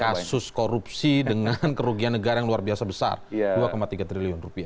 kasus korupsi dengan kerugian negara yang luar biasa besar rp dua tiga triliun